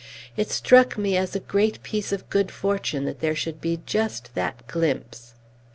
It struck me as a great piece of good fortune that there should be just that glimpse.